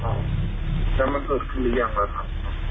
แล้วมันเกิดขึ้นหรือยังแล้วครับ